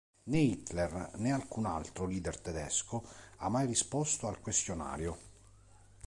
Né Hitler né alcun altro leader tedesco ha mai risposto al "Questionario".